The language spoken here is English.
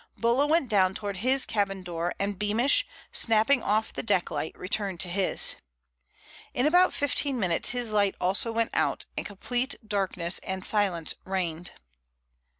Bulla went down towards his cabin door and Beamish, snapping off the deck light, returned to his. In about fifteen minutes his light also went out and complete darkness and silence reigned.